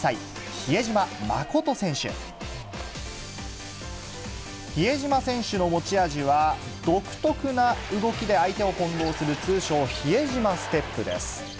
比江島選手の持ち味は、独特な動きで相手を翻弄する、通称、比江島ステップです。